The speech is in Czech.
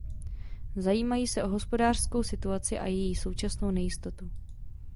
Zajímají se o hospodářskou situaci a její současnou nejistotu.